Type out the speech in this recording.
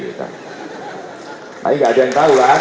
tapi nggak ada yang tahu kan